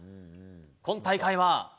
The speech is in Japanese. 今大会は。